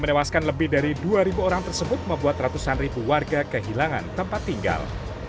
menewaskan lebih dari dua orang tersebut membuat ratusan ribu warga kehilangan tempat tinggal